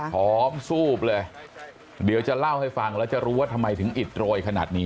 หอมซูบเลย